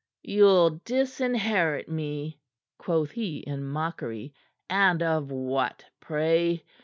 "You'll disinherit me?" quoth he in mockery. "And of what, pray?